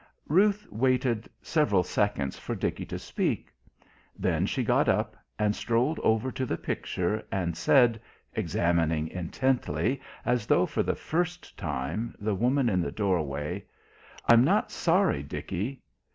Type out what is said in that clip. Ruth waited several seconds for Dickie to speak. Then she got up, and strolled over to the picture, and said, examining intently, as though for the first time, the woman in the doorway: "I'm not sorry, Dickie.